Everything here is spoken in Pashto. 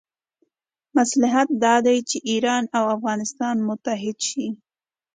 مصلحت دا دی چې ایران او افغانستان متحد شي.